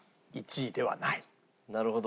なるほど。